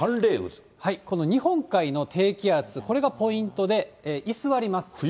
この日本海の低気圧、これがポイントで、居座ります。